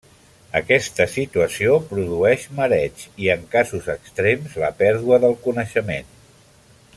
Aquesta situació produeix mareig i, en casos extrems, la pèrdua del coneixement.